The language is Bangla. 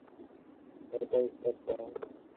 আবরণই আত্মাকে আচ্ছাদিত করে, আত্মা কিন্তু অপরিবর্তনীয়।